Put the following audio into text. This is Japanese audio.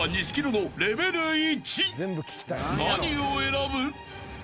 ［何を選ぶ？］